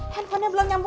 handphonenya belum nyambut